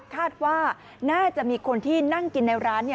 คาดว่าน่าจะมีคนที่นั่งกินในร้าน